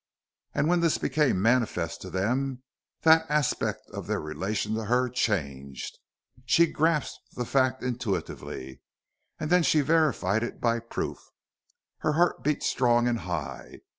And when this became manifest to them that aspect of their relation to her changed. She grasped the fact intuitively, and then she verified it by proof. Her heart beat strong and high.